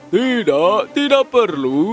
tidak tidak perlu